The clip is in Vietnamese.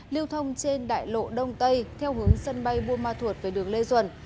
lưu thông trên đại lộ đông tây theo hướng sân bay buôn ma thuột về đường lê duẩn